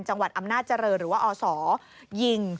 จังหวัดอำนาจเจริญหรือว่าอศยิง